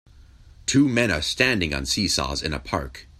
Two men are standing on seesaws in a park.